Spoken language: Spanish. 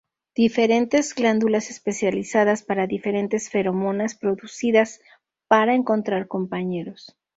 Diferentes glándulas especializadas para diferentes feromonas producidas para encontrar compañeros.